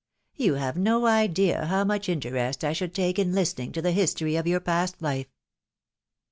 You have no idea how much interest I should take in listening to the history of your past life."